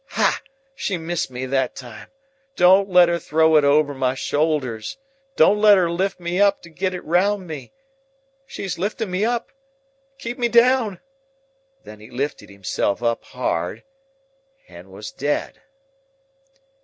Hah! she missed me that time. Don't let her throw it over my shoulders. Don't let her lift me up to get it round me. She's lifting me up. Keep me down!' Then he lifted himself up hard, and was dead.